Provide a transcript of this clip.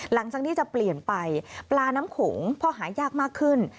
หลังจากนี้จะเปลี่ยนไปปลาน้ำโขงพอหายากมากขึ้น